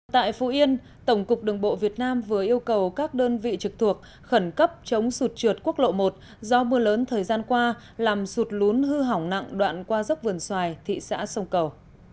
tại phú yên tổng cục đường bộ việt nam vừa yêu cầu các đơn vị trực thuộc khẩn cấp chống sụt trượt quốc lộ một do mưa lớn thời gian qua làm sụt lún hư hỏng nặng đoạn qua dốc vườn xoài thị xã sông cầu